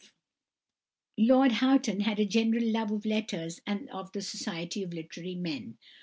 Lord Houghton had a genuine love of letters and of the society of literary men.